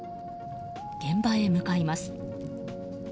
現場へ向かいます。